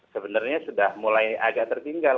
sebenarnya sudah mulai agak tertinggal